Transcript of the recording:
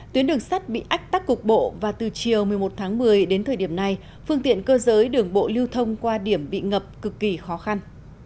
tuyến đường sắt bị ách tắc cục bộ và từ chiều một mươi một tháng một mươi đến thời điểm này phương tiện cơ giới đường bộ lưu thông qua điểm bị ngập cực kỳ khó khăn